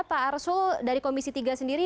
pak arsul dari komisi tiga sendiri